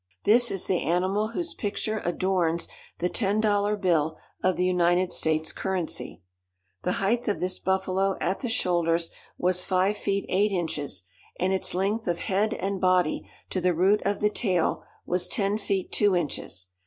This is the animal whose picture adorns the ten dollar bill of the United States currency. The height of this buffalo at the shoulders was 5 feet, 8 inches, and its length of head and body to the root of the tail was 10 feet, 2 inches.